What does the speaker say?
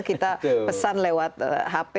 kita pesan lewat hp